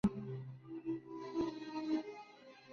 Hubo cinco estrenos ese año: "¡Mucha lucha!